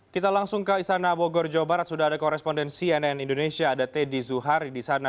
kita langsung ke istana bogor jawa barat sudah ada korespondensi nn indonesia ada teddy zuhari di sana